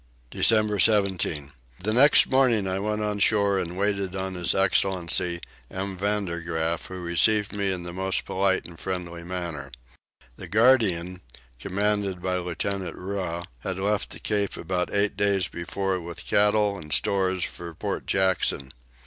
December 17. The next morning I went on shore and waited on his excellency M. Vander Graaf who received me in the most polite and friendly manner. The Guardian, commanded by Lieutenant Riou, had left the Cape about eight days before with cattle and stores for Port Jackson.